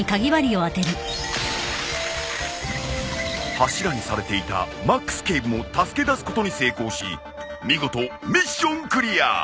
［柱にされていたマックス警部も助け出すことに成功し見事ミッションクリア！］